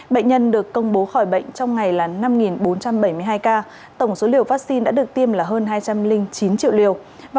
bệnh nhân được công bố khỏi bệnh trong ngày là năm bốn trăm bảy mươi hai ca tổng số liều vaccine đã được tiêm là hơn hai trăm linh chín triệu liều